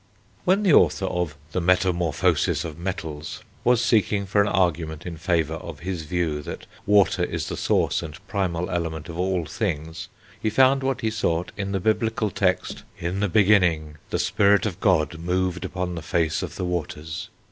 When the author of The Metamorphosis of Metals was seeking for an argument in favour of his view, that water is the source and primal element of all things, he found what he sought in the Biblical text: "In the beginning the spirit of God moved upon the face of the waters."